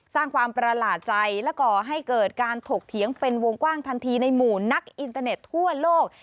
สร้างความประหลาดใจและก่อให้เกิดการถกเถียงเป็นวงกว้างทันทีในหมู่นักอินเตอร์เน็ตทั่วโลก